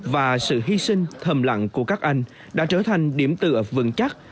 và sự hy sinh thầm lặng của các anh đã trở thành điểm tựa vững chắc